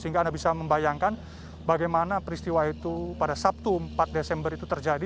sehingga anda bisa membayangkan bagaimana peristiwa itu pada sabtu empat desember itu terjadi